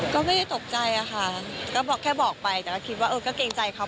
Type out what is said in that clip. ก็ไม่ได้ตกใจอะค่ะก็บอกแค่บอกไปแต่ก็คิดว่าเออก็เกรงใจเขา